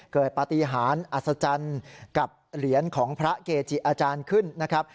เกิดปฏิหารอัศจรรย์กับเหรียญของพระเกจิอาจารย์ขึ้นนะครับ